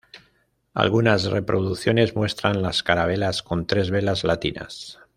Algunas reproducciones muestran las carabelas con tres velas latinas.